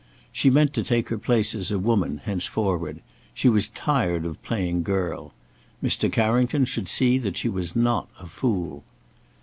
She meant to take her place as a woman, henceforward. She was tired of playing girl. Mr. Carrington should see that she was not a fool.